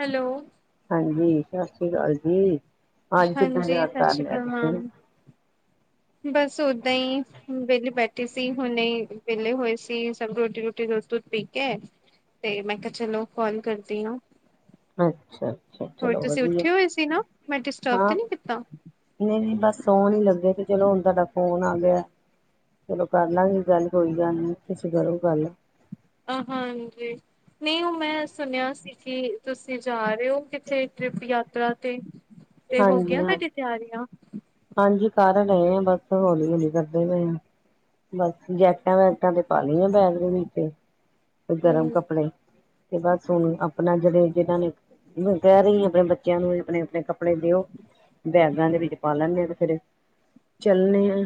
Hello ਹਾਂਜੀ ਸਤਿ ਸ਼੍ਰੀ ਅਕਾਲ ਜੀ। ਅੱਜ ਕਿੱਦਾਂ ਹਾਂਜੀ ਯਾਦ ਸਤਿ ਕਰ ਸ੍ਰੀ ਲਿਆ ਅਕਾਲ ਤੁਸੀਂ? ਮੈਮ। ਬਸ ਓਦਾਂ ਹੀ ਵਿਹਲੀ ਬੈਠੀ ਅਸੀ ਹੁਣ ਵਿਹਲੇ ਹੋਏ ਸੀ ਸਭ ਰੋਟੀ ਰੋਟੀ ਦੁੱਧ ਦੁੱਧ ਪੀ ਕੇ ਤੇ ਮੈਂ ਕਿਹਾ ਚਲੋ ਕਾਲ ਕਰਦੀ ਹਾ। ਅੱਛਾ ਚਲੋ ਵਧੀਆ ਮੈਂ ਡਿਸਟਰਬ ਤੇ ਹਾਂ ਨੀ ਕੀਤਾ ਨਹੀਂ ਵੀ ਬਸ ਸੋਣ ਹੀ ਲੱਗੇ ਸੀ। ਚਲੋ ਹੁਣ ਤੁਹਾਡਾ ਫੋਨ ਆ ਗਿਆ। ਚਲੋ ਕਰ ਲਾਂਗੇ ਗੱਲ ਕੋਈ ਗੱਲ ਨਹੀਂ ਤੁਸੀਂ ਕਰੋ ਗੱਲ ਹਾਂਜੀ ਨਹੀਂ ਉਹ ਮੈਂ ਸੁਣਿਆ ਸੀ ਕਿ ਤੁਸੀਂ ਜਾ ਰਹੇ ਕਿਥੇ ਟ੍ਰਿਪ ਯਾਤਰਾ ਤੇ। ਤੇ ਹੋਗੀਆਂ ਹਾਂਜੀ-ਹਾਂਜੀ, ਤੁਹਾਡੀਆ ਤਿਆਰੀਆਂ। ਹਾਂਜੀ ਕਰ ਰਹੇ ਆ ਬਸ ਹੌਲੀ ਹੌਲੀ ਕਰਦੇ ਪਏ ਆ। ਬਸ ਜੈਕਟਾਂ ਵੈਕਟਾਂ ਤੇ ਪਾ ਲਈਆਂ ਬੈਗ ਦੇ ਵਿੱਚ ਗਰਮ ਹਮ ਕੱਪੜੇ ਤੇ ਬਸ ਹੁਣ ਆਪਣਾ ਜਿਹੜੇ ਜਿਹਨਾਂ ਨੇ ਮੈਂ ਕਹਿ ਰਹੀ ਆਪਣੇ ਬੱਚਿਆਂ ਨੂੰ ਆਪਣੇ ਆਪਣੇ ਕੱਪੜੇ ਦਿਓ ਬੈਗਾਂ ਦੇ ਵਿੱਚ ਪਾ ਲੈਂਦੇੇ ਹਾਂ ਤੇ ਫਿਰ ਚਲਣੇ ਆ।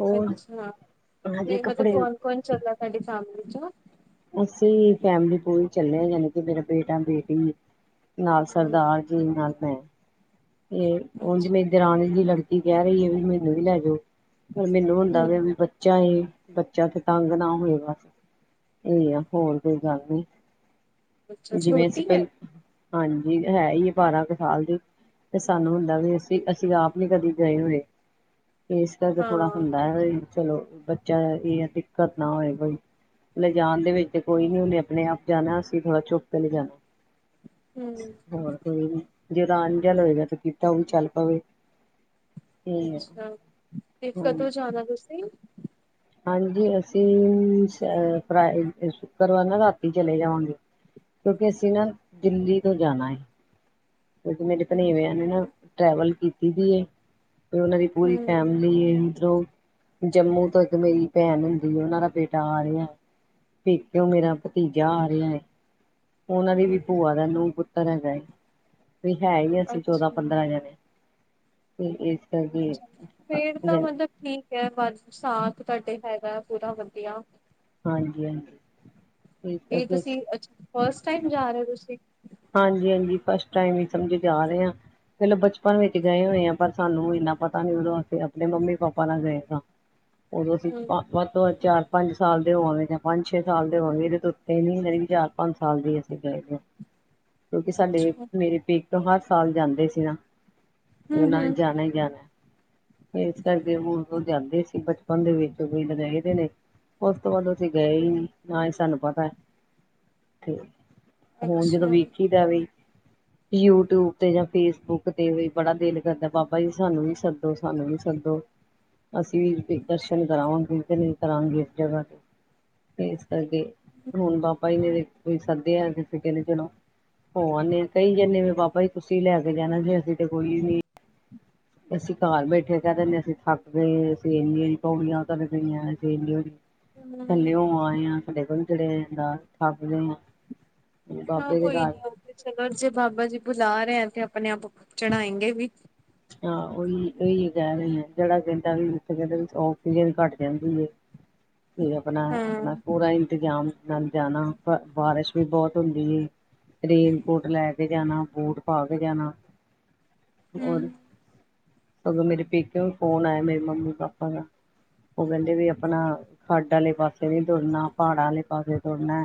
ਹੋਰ ਅੱਛਾ ਹਜੇ ਤੇ ਮਤਲਬ ਕੱਪੜੇ ਕੌਣ ਕੌਣ ਚੱਲਾ ਤੂਹਾਡੀ ਫੈਮਲੀ ਚੋ। ਅਸੀ ਫੈਮਲੀ ਪੂਰੀ ਚੱਲੇ ਆ ਜਾਣੀ ਕਿ ਮੇਰਾ ਬੇਟਾ ਬੇਟੀ। ਨਾਲ ਹਮ ਸਰਦਾਰ ਜੀ ਨਾਲ ਮੈਂ। ਤੇ ਉੰਝ ਅੱਛਾ ਮੇਰੀ ਦਰਾਣੀ ਦੀ ਲੜਕੀ ਕਹਿ ਰਹੀ ਹੈ ਵੀ ਮੈਨੂੰ ਵੀ ਲੈ ਜਾਓ। ਪਰ ਮੈਨੂੰ ਹੁੰਦਾ ਹਮ ਵ ਵੀ ਬੱਚਾ ਏ। ਬੱਚਾ ਤੇ ਤੰਗ ਨਾ ਹੋਏਗਾ। ਇਹ ਆ ਹੋਰ ਕੋਈ ਗੱਲ ਨੀ ਅੱਛਾ ਜਿਵੇਂ ਅਸੀਂ ਛੋਟੀ ਹੈ ਪਹਿਲੇ ਹਾਂਜੀ ਹੈ ਹੀ ਹੈ ਬਾਰਾਂ ਕੁ ਸਾਲ ਦੀ ਤੇ ਸਾਨੂੰ ਵੀ ਅਸੀਂ ਅਸੀਂ ਆਪ ਨੀ ਕਦੇ ਗਏ ਹੋਏ। ਇਸ ਕਰਕੇ ਥੋੜ੍ਹਾ ਹਾਂ ਹੁੰਦਾ ਹੈ ਚਲੋ ਬੱਚਾ ਇਹ ਦਿੱਕਤ ਨਾ ਹੋਏ ਕੋਈ। ਲਿਜਾਣ ਦੇ ਵਿੱਚ ਕੋਈ ਨਹੀਂ ਉਹਨੇ ਆਪਣੇ ਆਪ ਜਾਣਾ ਅਸੀਂ ਥੋੜ੍ਹਾ ਚੁੱਕ ਕੇ ਲਿਜਾਣਾ। ਹੂੰ, ਹੋਰ ਕੋਈ ਨੀ। ਜਿਹੜਾ ਆਣ ਜਾਣ ਹੋਏਗਾ ਤਾਂ ਕਿ ਪਤਾ ਉਹ ਵੀ ਚੱਲ ਪਵੇ। ਤੇ ਅੱਛਾ, ਤੇ ਕਦੋਂ ਜਾਨਾ ਤੁਸੀਂ? ਹਾਂਜੀ ਅਸੀਂ, ਫਰਾ ਸ਼ੁੱਕਰਵਾਰ ਨਾ ਰਾਤੀ ਚਲੇ ਜਾਵਾਂਗੇ। ਕਿਉਂਕਿ ਅਸੀਂ ਨਾ, ਦਿੱਲੀ ਤੋਂ ਜਾਣਾ ਏਂ। ਕਿਉਕਿ ਮੇਰੇ ਭਨਵੇਂ ਨੇ ਹੂੰ, ਨਾ, ਟਰੈਵਲ ਕੀਤੀ ਦੀ ਏ। ਉਹਨਾਂ ਦੀ ਪੂਰੀ ਫੈਮਿਲੀ ਇਧਰੋਂ, ਜੰਮੂ ਤੋਂ ਇੱਕ ਮੇਰੀ ਭੈਨ ਉਹਨਾਂ ਦਾ ਬੇਟਾ ਆ ਰਿਹਾ, ਪੀਛੋ ਮੇਰਾ ਭਤੀਜਾ ਆ ਰਿਆ ਏ। ਉਹਨਾਂ ਦੀ ਹੂੰ, ਵੀ ਭੂਆ ਦਾ ਨੂੰਹ ਪੁੱਤਰ ਹੈਗਾ ਏ। ਵੀ ਹੈ ਹੀ ਅਸੀਂ, ਚੌਦਾਂ ਅੱਛਾ, ਪੰਦਰਾਂ ਜਨੇ, ਤੇ ਇਸ ਕਰਕੇ ਫਿਰ ਤਾਂ ਹਾਂਜੀ ਮਤਲਬ ਠੀਕ ਐ, ਸਾਥ ਤੁਹਾਡੇ ਹੈਗਾ ਪੂਰਾ ਵਧੀਆ। ਹਾਂਜੀ ਹਾਂਜੀ। ਇਹ ਤੁਸੀਂ ਅ ਫਸਟ ਟਾਈਮ ਜਾ ਰਹੇ ਹੋ ਤੁਸੀਂ? ਹਾਂਜੀ-ਹਾਂਜੀ, ਫਸਟ ਟਾਈਮ ਹੀ ਸਮਝੀ ਜਾ ਰਹੇ ਆਂ। ਚਲੋ ਬਚਪਨ ਵਿੱਚ ਗਏ ਹੋਏ ਆਂ, ਪਰ ਸਾਨੂੰ ਇੰਨਾ ਪਤਾ ਨੀ, ਉਦੋਂ ਅਸੀ ਆਪਣੇ ਮੰਮੀ ਪਾਪਾ ਨਾਲ ਗਏ ਸਾਂ। ਉਦੋਂ ਅਸੀਂ ਹੂੰ, ਵੱਧ ਤੋਂ ਵੱਧ ਚਾਰ ਪੰਜ ਸਾਲ ਹੋ ਜਾਂ ਪੰਜ ਛੇ ਸਾਲ ਦੇ ਹੋਨਗੇ, ਇਹਦੇ ਤੇ ਉੱਥੇ ਹੀ ਨੀ ਹੈ, ਵੀ ਚਾਰ ਪੰਜ ਸਾਲ ਦੀ ਅਸੀਂ ਗਏ ਕਿਉਂਕਿ, ਸਾਡੇ ਮੇਰੇ ਪੇਕੇ ਤੋਂ, ਹਰ ਸਾਲ ਜਾਂਦੇ ਸੀ ਨਾ। ਉਹਨਾ ਨੇ ਹੂੰ-ਹੂੰ, ਜਾਨਾ ਈ ਜਾਨੈ, ਇਸ ਕਰਕੇ ਉਹ ਜਾਂਦੇ ਸੀ। ਬਚਪਨ ਦੇ ਵਿੱਚ ਵੀ [unintelligible] ਉਸ ਤੋਂ ਬਾਅਦ ਅਸੀੇ ਗਏ ਈ ਨੀਂ, ਨਾਲੇ ਸਾਨੂੰ ਪਤਾ ਹੁਣ ਜਦੋਂ ਅੱਛਾ। ਵੇਖੀ ਦਾਵੇ ਯੂਟਿਊਬ ਤੇ ਜਾਂ ਫੇਸਬੁੱਕ ਤੇ ਵੀ ਬੜਾ ਦਿਲ ਕਰਦਾ, ਬਾਬਾ ਜੀ ਸਾਨੂੰ ਵੀ ਸੱਦੋ, ਸਾਨੂੰ ਵੀ ਸੱਦੋ। ਅਸੀਂ ਵੀ ਦਰਸ਼ਨ ਕਰਾਂਗੇ, ਜੇ ਨਹੀਂ ਕਰਾਂਗੇ, ਇਸ ਜਗ੍ਹਾ ਤੇ। ਇਸ ਕਰਕੇ, ਹੁਣ ਬਾਬਾ ਜੀ ਨੇ ਕੋਈ ਸੱਦੇ ਆ, ਕਿਸੇ ਕਹਿੰਦੇ ਚਲੋ। ਹੋ ਆਨੇ ਆ, ਕਈ ਜੇ ਬਾਬਾ ਜੀ ਤੁਸੀਂ ਲੈ ਕੇ ਜਾਣਾ ਜੀ ਅਸੀ ਤੇ ਕੋਈ [inaudible] ਅਸੀਂ ਘਰ ਬੈਠੇ ਕਹਿ ਦਿੰਦੇ ਅਸੀਂ ਥੱਕ ਕੇ ਸੇਨੀ ਪਾਣੀਆਂ ਉਹਹਈਆਂ [unintelligible] ਹੂੰ, ਥੱਲਿਓ ਆਏ ਆਂ, ਸਾਡੇ ਕੋਲ ਚੜਿਆ ਜਾਂਦਾ, ਥੱਕਗੇ ਆਂ। ਹਾਂ ਕੋਈ ਨੀ ਉ ਤੇ ਚਲੋ ਜੇ ਬਾਬਾ ਜੀ ਬੁਲਾ ਰਏ, ਤੇ ਆਪਣੇ ਆਪ ਚੜ੍ਹਾਏਂਗੇ ਵੀ। ਹਾਂ ਉਹੀ ਉਹੀ ਕਹਿ ਰਹੇ ਆ, ਜਿਹੜਾ ਕਹਿੰਦਾ ਵੀ ਇੱਥੇ ਕਹਿੰਦੇ ਵੀ ਔਕਸੀਜਨ ਘੱਟ ਜਾਂਦੀ ਏ। ਤੇ ਆਪਨਾ ਹਾਂ, ਆਪਨਾ ਪੂਰਾ ਇੰਤਜ਼ਾਮ ਨਾਲ ਜਾਨਾ, ਬਾਰਿਸ਼ ਵੀ ਬਹੁਤ ਹੁੰਦੀ ਹੈ। ਰੇਨਕੋਟ ਲੈ ਕੇ ਜਾਨਾ, ਬੂਟ ਪਾ ਕੇ ਜਾਨਾ। ਹਮ [inaudible] ਓਦੋਂ ਮੇਰੇ ਪੇਕੇ ਤੋਂ ਫੋਨ ਆਯਾ, ਮੇਰੀ ਮੰਮੀ ਪਾਪਾ ਦਾ। ਉਹ ਕਹਿੰਦੇ ਵੀ ਆਪਣਾ, ਖੱਡ ਵਾਲੇ ਪਾਸੇ ਨੀਂ ਤੁਰਨਾ, ਪਹਾੜਾਂ ਵਾਲੇ ਪਾਸੇ ਤੁਰਨੈ।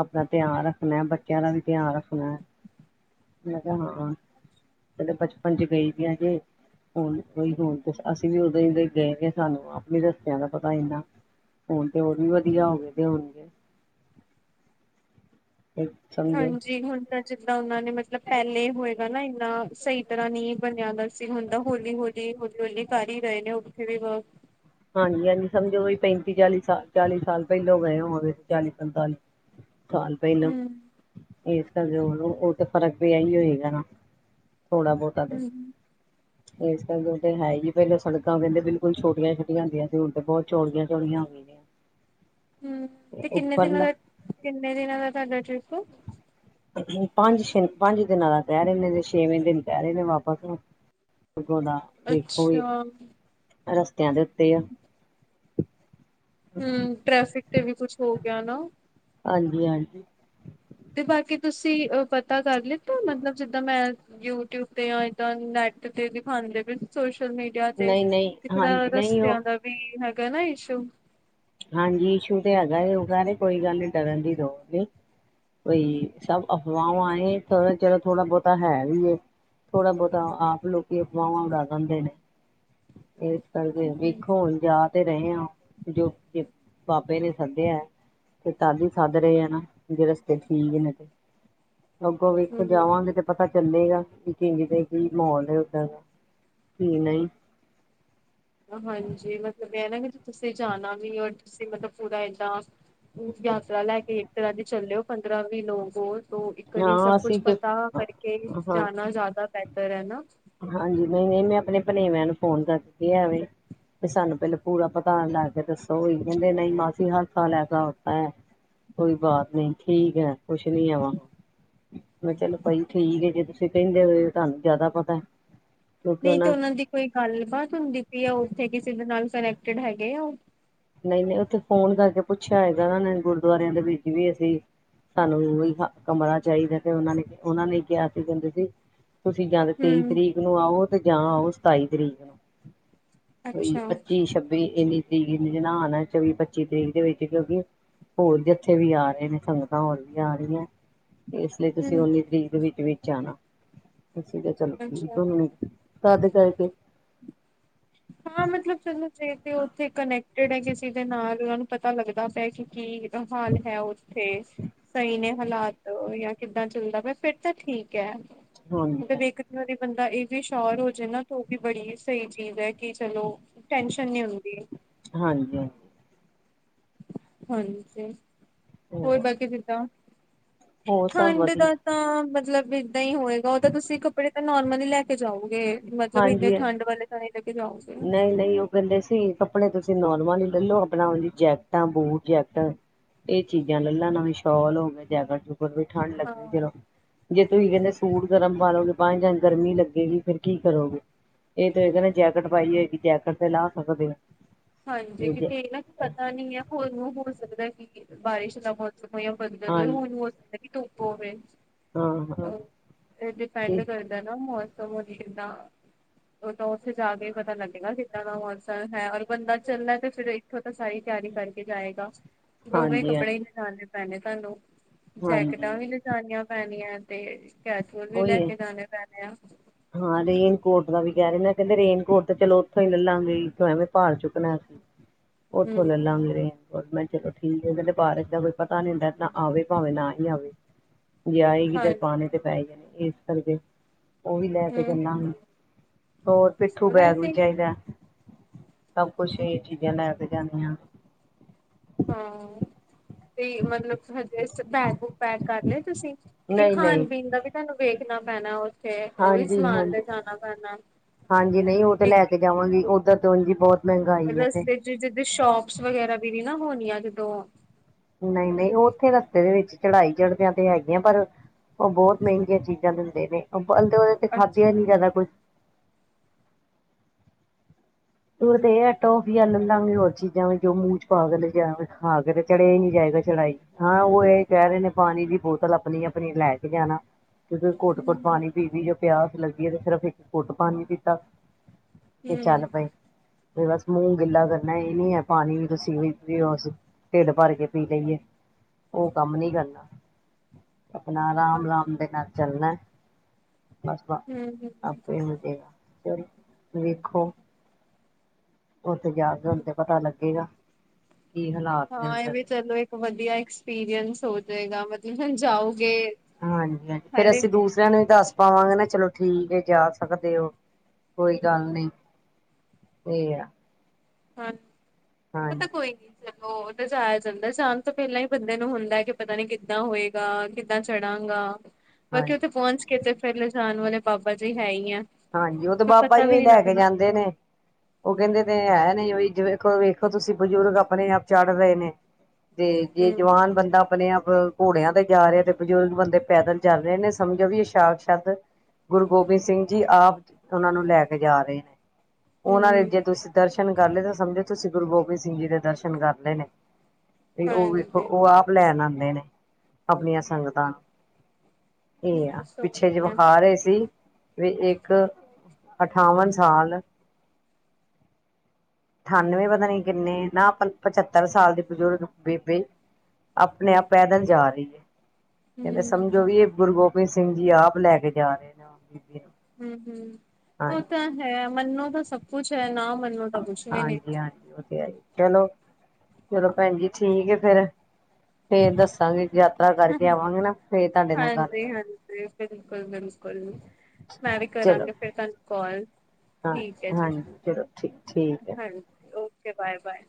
ਆਪਨਾ ਧਿਆਨ ਰੱਖਨੈ, ਬੱਚਿਆਂ ਦਾ ਵੀ ਧਿਆਨ ਰੱਖਨੈ, ਮੈ ਕਿਹਾ ਹਾਂ। ਕ ਬਚਪਨ ਚ ਗਈ ਸੀ ਅਜੇ [unintelligible] ਹਣ ਉਈ ਹਣ ਅਸੀਂ ਵੀ ਉਦੋਂ ਹੀ ਗਏ ਗ ਸਾਨੂੰ ਆਪ ਹੀ ਦੱਸਿਆਂ ਦਾ ਪਤਾ ਇਨਾ [inaudible] ਹੁਣ ਤੇ ਓ ਵੀ ਵਧੀਆ ਹੋ ਗਏ, ਤੇ ਹੋਣਗੇ। ਤੇ ਸਮਝੋ ਹਾਂਜੀ, ਹੁਣ ਤਾਂ ਜਿੱਦਾਂ ਉਹਨਾਂ ਨੇ ਮਤਲਬ ਪਹਿਲੇ ਹੋਏਗਾ ਨਾ ਇੰਨਾ, ਸਹੀ ਤਰ੍ਹਾਂ ਨਈ ਬਣਿਆ ਅ ਹੁੰਦਾ ਹੋਲੀ, ਹੋਲੀ, ਹੋਲੀ, ਹੋਲੀ ਕਰ ਹੀ ਰਹੇ ਨੇ, ਉੱਥੇ ਵੀ ਹਾਂਜੀ ਐਜੀ ਸਮਝੋ, ਵੀ ਪੈਂਤੀ ਚਾਲੀ ਸਾਲ-ਚਾਲੀ ਸਾਲ ਪਹਿਲੋਂ ਗਏ ਹੋਂਵੋਗੇ, ਚਾਲੀ ਪੰਤਾਲੀ [unintelligible] ਸਾਲ ਪਹਿਲਾਂ, ਹੂੰ ਇਸ ਕਰਕੇ ਉਹ ਉਹ ਤੇ ਫ਼ਰਕ ਵੀ ਇਹੀ ਹੋਏਗਾ ਨਾ ਥੋੜਾ ਬਹੁਤਾ ਤੇ, ਹੂੰ ਇਸ ਕਰਕੇ ਹੈ ਹੀ ਪਹਿਲਾਂ ਸੜਕਾਂ ਕੇਂਦੇ, ਬਿਲਕੁਲ ਛੋਟੀਆਂ ਛੋਟ ਹਦੀਆਂ ਸੀ ਉਡ ਤੇ ਬਹੁਤ ਚੋਲੀਆਂ ਚੋਲੀਆਂ ਹੋ ਗਈਆਂ [unintelligible] ਹਮ, ਨੇ ਤੇ ਕਿੰਨੇ ਦਿਨਾਂ ਉੱਪਰਲਾ ਦਾ, ਕਿੰਨੇ ਦਿਨਾਂ ਦਾ ਤੁਹਾਡਾ ਟ੍ਰਿਪ੍? ਪੰਜ ਛੇ, ਪੰਜ ਦਿਨਾਂ ਦਾ ਕਹਿ ਰਹੇ ਨੇ, ਜ ਛੇਵੇਂ ਦਿਨ ਕਹਿ ਰਹੇ ਨੇ ਵਾਪਸ ਨੂੰ ਬੁਰਗੋਂ ਦਾ, ਵੇਖੋ ਵੀ ਅੱਛਾ ਰਸਤਿਆਂ ਦੇ ਉੱਤੇ ਆ। ਹਮ। ਟ੍ਰੈਫਿਕ ਤੇ ਵੀ ਕੁਛ ਹੋ ਗਿਆ ਨਾ। ਹਾਂਜੀ- ਹਾਂਜੀ। ਤੇ ਬਾਕੀ ਤੁਸੀਂ ਅ ਪਤਾ ਕਰ ਲਤ ਮਤਲਬ ਜਿੱਦਾਂ ਮੈਂ ਯੂਟਿਊਬ ਤੇ ਜਾਂਦਾਂ ਨੈਟ ਤੇ ਦਿਖਾਦੇ ਸੋ ਸੋਸ਼ਲ ਮੀਡੀਆ ਤੇ, ਨਹੀਂ ਨਹੀਂ ਤੇ ਥੋੜਾ ਹਾਂਜੀ ਨਹੀਂ ਉਹ ਰਸਤਿਆਂ ਦਾ ਵੀ ਹੈਗਾ ਨਾ ਇਸ਼ੂ। ਹਾਂਜੀ। ਇਸ਼ੂ ਤੇ ਹੈਗਾ ਉਹਗਾ ਨੇ ਕੋਈ ਗੱਲ ਨੀ ਡਰਨ ਦੀ ਲੋੜ ਨਹੀਂ। ਬਈ, ਸਭ ਅਫਵਾਹ ਆਏ ਥੋਾ ਚਿਰੋ ਥੋੜਾ- ਬਹੁਤਾ ਹੈ ਵੀ ਥੋੜਾ- ਬਹੁਤਾ ਆਪ ਲੋਕੀ ਅਫਵਾਹਾਂ ਉਡਾ ਦਿੰਦੇ ਨੇ। ਇਸ ਕਰਕੇ ਵੇਖੋ ਜਾ ਤੇ ਰਹੇ ਹਾਂ, ਜੋ ਬਾਬੇ ਨੇ ਸੱਦਿਆ ਹੈ। ਤੇ ਤਾ ਹੀ ਸੱਧ ਰਹੇ ਆ। ਨਾ ਜ ਰਸਤੇ ਠੀਕ ਨੇ ਤੇ ਅੱਗੋਂ ਵੇਖੋ ਹੂੰ ਜਾਵਾਂਗੇ। ਤੇ ਪਤਾ ਚੱਲੇਗਾ। ਕਿ ਕਿਤੇ ਕੀ ਮਾਹੌਲ ਹੈ ਓਦਾਂ ਦਾ ਕੀ ਨਹੀਂ। ਹਾਂਜੀ। ਮਤਲਬ ਇਹ ਨਾ ਕਿ ਤੁਸੀਂ ਜਾਣਾ ਵੀ ਔਰ ਤੁਸੀਂ ਮਤਲਬ ਪੂਰਾ ਏਦਾਂ ਯਾਤਰਾ ਲੈ ਕੇ ਇੱਕ ਤਰ੍ਹਾਂ ਦੀ ਚੱਲਿਓ ਪੰਦਰਾਂ- ਵੀਹ ਲੋਕ ਹੋ ਇੱਕ ਨ ਹਾਂ ਸਭ ਕੁਛ ਅਸੀਂ ਤੇ ਪਤਾ ਕਰਕੇ ਹਾਂ ਜਾਣਾ ਜ਼ਿਆਦਾ ਬਿਹਤਰ ਹੈ ਨਾ। ਪਾਣਵਏ ਨੂੰ ਫੋਨ ਕਰਕੇ ਕਿਹਾ ਵੇ। ਤੇ ਸਾਨੂੰ ਪਹਿਲਾਂ ਪੂਰਾ ਪਤਾ ਲੈ ਕੇ ਦੱਸੋ। ਉਹੀ ਕਹਿੰਦੇ ਨਹੀਂ, ਮਾਸੀ ਹਲਥਾ ਲੈ ਕੇ ਥ ਐ। ਕੋਈ ਬਾਤ ਨੀ ਠੀਕ ਹੈ। ਕੁਝ ਨਹੀ ਹੈਗਾ। ਮੈ ਕਿਹਾ ਚਲੋ ਭਾਈ ਠੀਕ ਹੈ। ਜੇ ਤੁਸੀ ਕਹਿੰਦੇ ਪੈਏ ਹੋ ਤਹਾਨੂੰ ਜਾਦਾ ਪਤਾ ਨਹੀਂ ਤੇ ਉਹਨਾਂ ਦੀ ਕੋਈ ਗੱਲ ਬਾਤ ਹੁੰਦੀ ਪਈ ਆ ਉੱਥੇ ਕਿਸੇ ਦੇ ਨਾਲ ਸਿਲੈਕਟਡ ਹੈਗੇ ਆ। ਨਹੀਂ- ਨਹੀਂ ਉੱਥੇ ਫੋਨ ਕਰਕੇ ਪੁੱਛਿਆ ਹੈਗਾ। ਉਹਨਾਂ ਨੇ ਗੁਰਦੁਆਰਿਆਂ ਦੇ ਵਿੱਚ ਵੀ ਅਸੀਂ ਸਾਨੂੰ ਉਹੀ ਹ ਕਮਰਾ ਚਾਹੀਦਾ ਤੇ ਉਹਨਾਂ ਨੇ ਉਹਨਾਂ ਨੇ ਕਿਹਾ ਸੀ। ਕਹਿੰਦੇ ਸੀ ਤੁਸੀਂ ਜਾਂ ਤੇ ਤੇਈ ਹਮ ਤਰੀਕ ਨੂੰ ਆਓ। ਤੇ ਜਾਂ ਆਓ ਸਤਾਈ ਤਰੀਕ ਨੂੰ ਕੋਈ ਅੱਛਾ ਪੱਚੀ- ਛੱਬੀ ਇੰਨੀ ਤਰੀਕ ਜਨਾਨ ਚੌਵੀ- ਪੱਚੀ ਤਰੀਕ ਦੇ ਵਿੱਚ ਕਿਉਂਕਿ ਹੋਰ ਜਿੱਥੇ ਵੀ ਆ ਰਹੇ ਨੇ ਸੰਗਤਾਂ ਹੋਰ ਵੀ ਆ ਰਹੀਆਂ। ਇਸ ਲਈ ਤੁਸੀਂ ਹਮ ਉੱਨੀ ਤਰੀਕ ਦੇ ਵਿੱਚ- ਵਿੱਚ ਜਾਣਾ। ਠੀਕ ਚਲੋ, ਠੀਕ ਅੱਛਾ ਹ ਤਦ ਕਰਕੇ ਹਾਂ, ਮਤਲਬ ਚਲੋ ਜੇ ਤੇ ਉੱਥੇ ਕਨੈਕਟਡ ਹੈ। ਕਿਸੇ ਦੇ ਨਾਲ ਉਹਨਾਂ ਨੂੰ ਪਤਾ ਪਤਾ ਲੱਗਦਾ ਪਿਆ ਕਿ ਕੀ ਹਾਲ ਹੈ। ਉੱਥੇ ਸਹੀ ਨੇ ਹਾਲਾਤ ਜਾਂ ਕਿੱਦਾਂ ਚੱਲਦਾ ਪੇਆ। ਫਿਰ ਤਾਂ ਠੀਕ ਹੈ। ਹਾਂਜੀ ਮਤਲਬਖਾਰੀ ਬੰਦਾ ਇਹ ਵੀ ਸ਼ਰ ਹੋ ਜਾੇ ਨਾ ਤੇ ਉਹ ਵੀ ਬੜੀ ਸਹੀ ਚੀਜ਼ ਹੈ। ਕਿ ਚਲੋ। ਟੈਸ਼ਨ ਨੀ ਹੁੰਦੀ। ਹਾਂਜੀ ਹਾਂਜੀ ਹਾਂਜੀ। ਹੋਰ ਬਾਕੀ ਜਿੱਦਾਂ। ਵਧੀਆ ਜੀ ਤੁਸੀਂ ਦੱਸੋ? ਹੋਰ ਸਭ ਠੰਡ ਵਧੀਆ ਦਾ ਤਾਂ, ਮਤਲਬ ਏਦਾਂ ਹੀ ਹੋਏਗਾ। ਉਹ ਤਾਂ ਤੁਸੀਂ ਕੱਪੜੇ ਬਣਨੇ ਲੈ ਕੇ ਜਾਊਗੇ। ਮਤਲਬ ਇੰਨੇ ਹਾਂਜੀ ਠੰਡ ਵਾਲੇ ਸਮੇ ਦੇ ਹਨ। ਨਹੀਂ -ਨਹੀਂ ਉਹ ਕਹਿੰਦੇ ਸੀ ਕੱਪੜੇ ਤੁਸੀਂ ਨੋਰਮਲ ਹੀ ਹਨ। ਲੈਲੋ ਆਪਣਾ ਉਹਦੀ ਜੈਕਟਾਂ, ਬੂਟ, ਜੈਕਟਾਂ ਇਹ ਚੀਜ਼ਾਂ ਲੈ ਲਾਂ ਨਵੇ। ਸ਼ੋਲ ਹੋਵੇ ਜਾਦਾ ਜੇਕਰ ਵੀ ਠੰਢ ਹਾਂ ਲੱਗੇਗੀ। ਚਲੋ ਜੇ ਤੁਸੀਂ ਕਹਿੰਦੇ ਸੂਟ ਗਰਮ ਪਾਲਓਗੇ। ਹਾਂਜੀ। ਹਾਂ, ਤਾਂ ਜਾਂ ਗਰਮੀ ਲੱਗੇਗੀ। ਫੇਰ ਕੀ ਕਰੋਗੇ। ਇਹ ਤਾਂ ਹੋਹ ਤਾਂ ਕਿਤੇ ਜੇਕਿਟ ਲਾ ਸਕਦੇ ਹਨ। ਹਾਂਜੀ। ਕਿਉਂਕਿ ਇਹਨਾ ਪਤਾ ਨਹੀਂ ਹੈ। ਹੋਰ ਨੂੰ ਹੋ ਸਕਦਾ ਕਿ ਬਾਰਿਸ਼ ਦਾ ਮੌਸਮ ਹੋ ਜਾਂ ਸਕਦਾ ਹਾਂ। ਜਦੋਂ ਹੁਣ ਹੋ ਸਕਦਾ ਕਿ ਧੁੱਪ ਹੋਵੇ। ਹਾਂ ਹਾਂ ਹਾਂਜੀ। ਇਹ ਡਿਪੈਂਡ ਠੀਕ ਕਰਦਾ ਨਾ ਮੌਸਮ ਕਿਦਾਂ ਉਹ ਤਾਂ ਉੱਥੇ ਜਾ ਕੇ ਪਤਾ ਲੱਗੇਗਾ ਕਿੱਦਾਂ ਦਾ ਮੋਸਮ ਹੈ। ਤੇ ਬੰਦਾ ਚੱਲਣਾ ਫਿਰ ਇੱਥੋਂ ਤਾਂ ਸਾਰੀ ਤਿਆਰੀ ਕਰਕੇ ਜਾਏਗਾ। ਦੋਵੇਂ ਹਾਂਜੀ ਕੱਪੜੇ ਹਾਂਜੀ ਹੀ ਨਜਾਣੇ ਪੈਣੇ ਤੁਹਾਨੂੰ ਜੈਕਟਾਂ ਹਾਂਜੀ ਵੀ ਲਿਜਣੀਆਂ ਪੈਣੀਆਂ ਤੇ ਕੈਜਵਲ ਵੀ ਉਹੀ ਲੈ ਹੈ ਕੇ ਜਾਣੇ ਪੈਣੇ ਆ। ਗਿਆਰੀ ਮ ਕਹਿੰਦੇ ਰੇਨਕੋਟ ਤੇ ਚਲੋ ਉੱਥੋਂ ਹੀ ਲੈ ਲਾਂਗੇ। ਇਥੋਂ ਐਵੇਂ ਭੜ ਚੁੱਕਣਾ ਸੀ ਹਨ। ਉਥੇ ਹਮ ਲੈ ਲਾਵਾਂਗੇ। ਮੈਂ ਚਲੋ ਠੀਕ ਆ ਉਹਹਦੇ ਬਾਰਿਸ਼ ਦਾ ਕੋਈ ਪਤਾ ਨੀ ਹੁੰਦਾ ਨਾ ਆਵੇ ਭਾਵੇਂ ਨਾ ਹੀ ਆਵੇ ਹਨ। ਜੇ ਆਏ ਹਾਂ ਕਿਧਰ ਪਾਣੀ ਤੇ ਪੈ ਜਾਣੇ ਇਸ ਕਰਕੇ। ਉਹ ਵੀ ਲੈ ਕੇ ਹਮ ਜਾਂਦਾ ਹੋਰ ਪਿੱਠੂ ਬੈਗ ਵੀ ਵੈਸੇ ਚਾਹੀਦਾ। ਸਭ ਕੁੱਛ ਇਹ ਚੀਜ਼ਾਂ ਲੈ ਕੇ ਜਾਂਦੇ ਆਂ। ਹਾਂ ਅ। ਤੇ ਮਤਲਬ ਹਜੇ ਬੈਗ ਬੂਗ ਪੈਗ ਕਰ ਲਏ ਤੁਸੀਂ ਕਿਉਕਿ ਨਹੀਂ ਨਹੀਂ ਖਾਣ ਪੀਣ ਦਾ ਵੀ ਤੁਹਾਨੂੰ ਵੇਖਣਾ। ਪੈਣਾ ਉੱਥੇ ਉਹ ਵੀ ਹਾਂਜੀ ਸਮਾਨ ਤੇ ਹਾਂਜੀ ਜਾਣਾ ਪੈਣਾ। ਹਾਂਜੀ ਨਹੀਂ ਉਹ ਤੇ ਲੈ ਕੇ ਜਾਵਾਂਗੀ ਉੱਧਰ ਤੋਂ ਜੀ ਬਹੁਤ। ਮਹਿੰਗਾਈ ਹੈ ਤੇ ਰਸਤੇ ਚ ਜਿੱਦਰ ਸ਼ੋਪਸ ਵਗੈਰਾ ਵੀ ਨ ਨਾ ਹੋਣੀਆਂ। ਜਦੋਂ ਨਹੀਂ ਨਹੀਂ ਉਹ ਉੱਥੇ ਰਸਤੇ ਦੇ ਵਿੱਚ ਚੜ੍ਹਾਈ ਚੜਦਿਆਂ ਤੇ ਹੈਗੀਆਂ ਪਰ। ਉਹ ਬਹੁਤ ਮਹਿੰਗੀਆਂ ਚੀਜ਼ਾਂ ਦਿੰਦੇ ਨੇ ਉਹ ਬਦੇ ਉਹਦੇ ਤੇ ਅੱਛਾ ਖਾਧਿਆ ਨੀ ਜ਼ਿਆਦਾ ਕੁਛ। ਉਹਨੂੰ ਤੇ ਇਹ ਹ ਵੀ ਟੋਫੀਆਂ ਲੈ ਲਓ। ਐਵੇਂ ਵੀ ਹੋਰ ਚੀਜ਼ਾਂ ਜੋ ਮੂੰਹ ਚ ਪਾ ਕੇ ਆ ਕੇ ਤੇ ਚੜਿਆ ਹੀ ਨੀ ਜਾਏਗਾ ਚੜਾਈ। ਹਾਂ ਉਹ ਇਹ ਕਹਿ ਰਹੇ ਨੇ ਪਾਣੀ ਦੀ ਬੋਤਲ ਆਪਣੀ ਆਪਣੀ ਲੈ ਕੇ ਜਾਣਾ। ਕਿ ਘੁੱਟ ਘੁੱਟ ਹੂੰ ਪਾਣੀ ਪੀਵ ਜਾਂ ਪਿਆਸ ਲੱਗੀਏ ਤੇ ਸਿਰਫ ਇੱਕ ਘੁੱਟ ਪਾਣੀ ਪੀਤਾ। ਹਾਂ। ਚੱਲ ਪਏ ਤੇ ਬਸ ਮੂੰਹ ਗਿੱਲਾ ਕਰਨਾ ਇਹ ਨੀ ਹੈ ਪਾਣੀ ਵੀ ਤੁਸੀਂ ਪੀਓਸੀਂ ਢਿੱਡ ਭਰ ਕੇ ਪੀ ਲਈਏ। ਉਹ ਕੰਮ ਨੀ ਕਰਨਾ। ਆਪਣਾ ਰਾਮ ਰਾਮ ਦੇ ਘਰ ਚੱਲਣਾ। ਬਸ ਵ ਹੂੰ ਹੂੰ ਆਪੇ ਹੀ ਮਜੇਗਾ ਚਲ ਵੇਖੋ ਹਨ। ਉੱਥੇ ਜਾ ਕੇ ਹੁਣ ਤੇ ਪਤਾ ਲੱਗੇਗਾ ਹਨ ਹਾਂ ਇਹਵੇ ਚਲੋ ਇੱਕ ਵਧੀਆ ਐਕਸਪੀਰੀਅੰਸ ਹੋ ਜਾਏਗਾ। ਮਤਲਬ ਹੁਣ ਜਾਓਗੇ ਹਾਂਜੀ ਹ ਫੇਰ ਹਰ ਅਸੀਂ ਇੱਕ ਦੂਸਰਿਆਂ ਨੂੰ ਵੀ ਦੱਸ ਪਾਵਾਂਗੇ ਨਾ ਚਲੋ। ਠੀਕ ਹੈ ਜਾ ਸਕਦੇ ਹੋ ਕੋਈ ਗੱਲ ਨੀ ਤੇ। ਹਾਂ ਪਤਾ ਕੋਈ ਨੀ ਚਲੋ। ਜਾਇਆ ਜਾਂਦਾ ਜਾਣ ਤੋਂ ਪਹਿਲਾਂ ਹੀ ਬੰਦੇ ਨੂੰ ਹੁੰਦਾ ਕਿ ਪਤਾ ਨੀ ਕਿੱਦਾਂ ਹੋਏਗਾ ਕਿੱਦਾਂ ਚੜਾਂਗਾ। ਬਾਕੀ ਹਾਂਜੀ ਉੱਥੇ ਪਹੁੰਚ ਕੇ ਤੇ ਫੇਰ ਲਿਜਾਣ ਵਾਲੇ ਬਾਬਾ ਜੀ ਹੈ ਹੀ ਆ। ਹਾਂਜੀ ਉਹ ਤੇ ਫਿਰ ਬਾਬਾਂ ਪਤਾ ਹੀ ਵੀ ਉਹੀ ਨੀ ਲੈ ਕੇ ਲੱਗਣਾ ਜਾਂਦੇ ਨੇ ਉਹ ਕਹਿੰਦੇ ਤੇ ਹੈ ਨਹੀਂ ਉਹੀ। ਖ ਵੇਖੋ ਤੁਸੀਂ ਬਜ਼ੁਰਗ ਆਪਣੇ ਆਪ ਚੜ ਰਹੇ ਨੇ। ਤੇ ਜੇ ਹੂੰ ਜਵਾਨ ਬੰਦਾ ਆਪਣੇ ਆਪ। ਘੋੜਿਆਂ ਤੇ ਜਾ ਰਹੇ ਤੇ ਬਜ਼ੁਰਗ ਬੰਦੇ ਪੈਦਲ ਚੱਲ ਰਹੇ ਨੇ ਸਮਝੋ ਵੀ ਇਹ ਸਾਤ ਸ਼ੱਕ। ਗੁਰੂ ਗੋਬਿੰਦ ਸਿੰਘ ਜੀ। ਆਪ ਉਹਨਾਂ ਨੂੰ ਲੈ ਕੇ ਜਾ ਰਹੇ ਨੇ। ਉਹਨਾਂ ਨੇ ਜੇ ਹੂੰ ਤੁਸੀਂ ਦਰਸ਼ਨ ਕਰ ਲਏ, ਤਾਂ ਸਮਝੋ ਤੁਸੀਂ ਗੁਰੂ ਗੋਬਿੰਦ ਸਿੰਘ ਜੀ ਦੇ ਦਰਸ਼ਨ ਕਰ ਲਏ ਨੇ। ਤੇ ਉਹ ਵੇਖੋ, ਹਾਂਜੀ ਉਹ ਆਪ ਲੈਣ ਆਉਂਦੇ ਨੇ। ਆਪਣੀਆਂ ਸੰਗਤਾਂ। ਇਹ ਆ। ਬਸ ਪਿੱਛੇ ਜੇ ਉਹੀ ਆ ਵਿਖਾ ਰਹੇ ਸੀ ਵੀ ਇੱਕ, ਅਠਾਵਨ ਸਾਲ ਅਠਾਨਵੇਂ, ਪਤਾ ਨੀ ਕਿੰਨੇ। ਨਾ ਪਚੱਤਰ ਸਾਲ ਦੇ ਬਜ਼ੁਰਗ ਬੇਬੇ ਆਪਣੇ ਆਪ ਪੈਦਲ ਜਾ ਰਹੀ ਹੈ। ਕਹਿੰਦੇ, ਸਮਝੋ ਹੂੰ ਵੀ ਇਹ ਗੁਰੂ ਗੋਬਿੰਦ ਸਿੰਘ ਜੀ ਆਪ ਲੈ ਕੇ ਜਾ ਰਹੇ ਨੇ। ਬੀਬੀ ਨੂੰ ਹੂੰ। ਹੂੰ। ਉਹ ਹਾਂਜੀ ਤਾਂ ਹੈ, ਮਨੋ ਤਾਂ ਸਭ ਕੁਛ ਹੈ ਨਾ ਮੰਨੋ ਤਾਂ ਕੁਛ ਵੀ ਨੀ। ਹਾਂਜੀ। ਹਾਂਜੀ। ਉਹ ਤੇ ਹੈ ਜੀ। ਚਲੋ! ਚਲੋ ਭੈਣ ਜੀ, ਠੀਕ ਹੈ ਫੇਰ। ਫੇਰ ਦੱਸਾਂਗੇ, ਯਾਤਰਾ ਕਰਕੇ ਆਵਾਂਗੇ ਨਾ। ਫੇਿਰ ਤੁਹਾਡੇ ਨਾਲ ਗੱਲ ਕਰਾਂਗੇ। ਬਿਲਕੁਲ! ਬਿਲਕੁਲ! ਮੈਂ ਵੀ ਚਲੋ ਕਰਾਂਗੇ ਫਿਰ ਤੁਹਾਨੂੰ ਕਾਲ। ਹਾਂ ਠੀਕ ਹੈ ਜੀ। ਹਾਂਜੀ ਚਲੋ ਠੀਕ ਠੀਕ ਹੈ ਹਾਂਜੀ ਓਕੇ। Okay bye. ਬਾਏ।